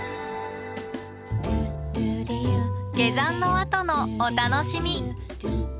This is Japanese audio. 下山のあとのお楽しみ。